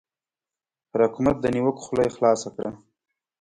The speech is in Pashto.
پر حکومت د نیوکو خوله یې خلاصه کړه.